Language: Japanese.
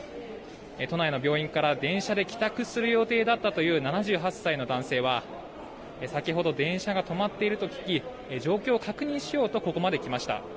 都内の病院から電車で帰宅する予定だったという７８歳の男性は先ほど電車が止まっていると聞き状況を確認しようとここまで来ました。